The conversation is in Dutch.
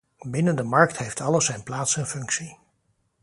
Binnen de markt heeft alles zijn plaats en functie.